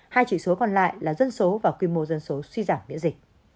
hai chỉ số còn lại là dân số và quy mô dân số suy giảm miễn dịch